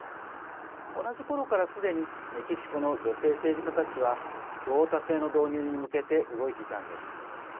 同じころから、すでにメキシコの女性政治家たちはクオータ制の導入に向けて動いていたんです。